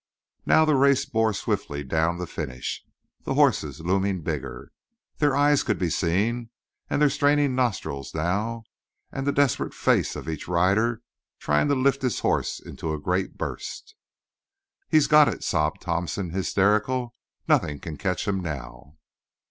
Now the race bore swiftly down the finish, the horses looming bigger; their eyes could be seen, and their straining nostrils now, and the desperate face of each rider, trying to lift his horse into a great burst. "He's got it," sobbed Townsend, hysterical. "Nothin' can catch him now."